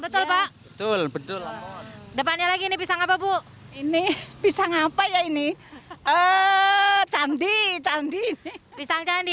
betul betul betul depannya lagi ini bisa enggak bu ini pisang apa ya ini eh candi candi pisang candi